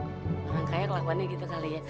orang kaya kelakuannya gitu kali ya